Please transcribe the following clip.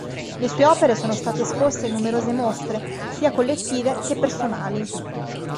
Le sue opere sono state esposte in numerose mostre, sia collettive che personali.